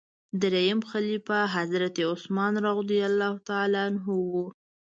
دریم خلیفه حضرت عثمان رض و.